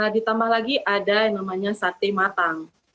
ditambah lagi ada yang namanya sate matang